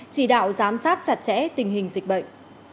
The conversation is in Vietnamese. chỉ đạo giám sát chặt chẽ tình hình dịch bệnh